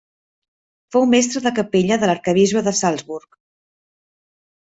Fou mestre de capella de l'arquebisbe de Salzburg.